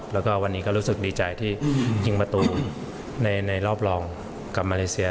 แล้วก็วันนี้ก็รู้สึกดีใจที่ยิงประตูในรอบรองกับมาเลเซีย